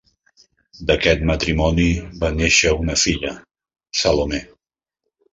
D'aquest matrimoni va néixer una filla, Salome.